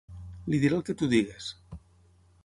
Li diré el que tu diguis.